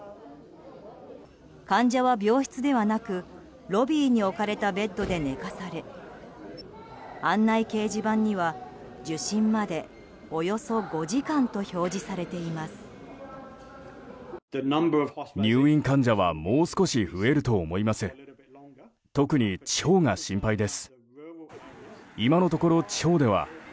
患者は病室ではなくロビーに置かれたベッドで寝かされ案内掲示板には受診まで、およそ５時間と表示されています。